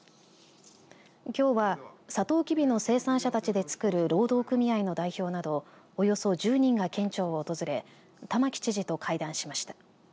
きょうはさとうきびの生産者たちでつくる労働組合の代表などおよそ１０人が県庁を訪れ玉城知事と会談しました。